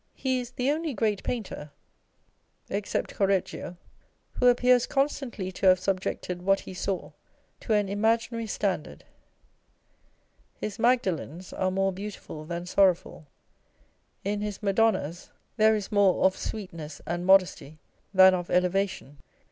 He is the only great painter (except Cor reggio) who appears constantly to have subjected what he saw to an imaginary standard. His Magdalens are more beautiful than sorrowful ; in his Madonnas there is more of sweetness and modesty than of elevation.